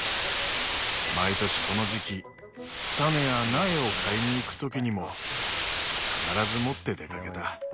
毎年この時期種や苗を買いにいく時にも必ず持って出かけた。